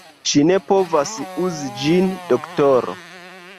Ŝi ne povas uzi ĝin, doktoro.